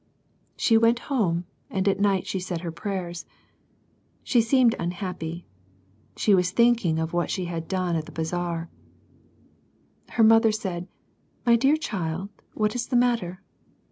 She went home, and at night she said her prayers. She seemed unhappy. She was thinking of what she had done at the " Bazaar." Her mother said, " My dear child, what is the matter